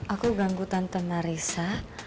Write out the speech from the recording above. aku ganggu tante marisa